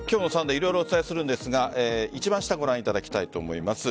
色々お伝えするんですが一番下ご覧いただきたいと思います。